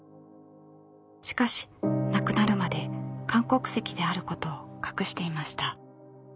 しかし亡くなるまで韓国籍であることを隠していました。